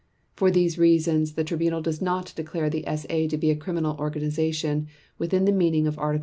For these reasons the Tribunal does not declare the SA to be a criminal organization within the meaning of Article 9 of the Charter.